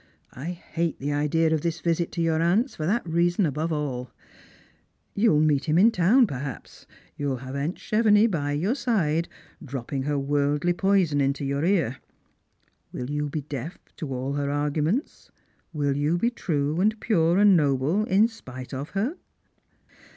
I hate the idea of this visit to your aunt's, for that reason above all. You will meet him in town, perhaps ; you will have aunt Chevenix by your side, dropping her worldly poison into your ear. Will you be deaf to all her arguments? Will you be true and pure and noble in spite of her